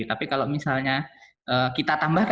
tapi kalau misalnya kita tambah